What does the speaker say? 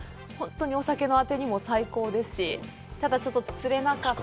お酒のあてにも最高ですし、ただ、ちょっと釣れなかった。